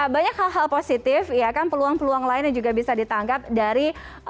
banyak hal hal positif ya kan peluang peluang lain yang juga bisa ditangkap dari